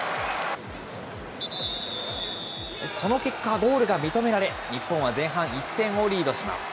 その結果、ゴールが認められ、日本は前半１点をリードします。